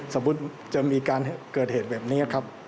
สมมุติจะมีการเกิดเหตุแบบนี้ครับ